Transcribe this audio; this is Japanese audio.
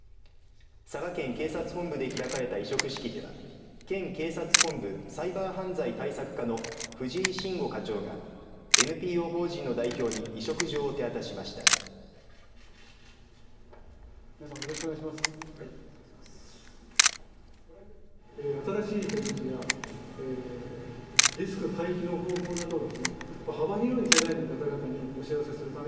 佐賀県警察本部で開かれた委嘱式では県警察本部サイバー犯罪対策課の藤井信吾課長がＮＰＯ法人の代表に委嘱状を手渡しました。